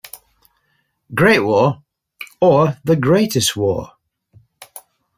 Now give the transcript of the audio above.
Great War - or the greatest war?